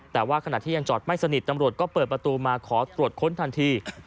แต่ว่าขณะที่ยังจอดไม่สนิทตำรวจก็เปิดประตูมาขอตรวจค้นทันที